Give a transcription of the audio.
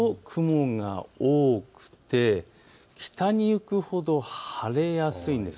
南に行くほど雲が多くて北に行くほど晴れやすいんです。